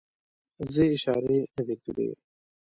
زه یې اشارې نه دي کړې.